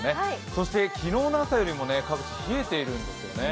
そして昨日の朝よりも各地、冷えているんですよね。